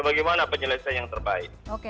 bagaimana penyelesaian yang terbaik